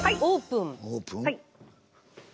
オープン？